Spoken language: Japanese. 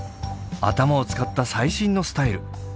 頭を使った最新のスタイル。